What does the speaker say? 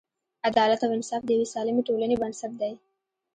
عدالت او انصاف د یوې سالمې ټولنې بنسټ دی.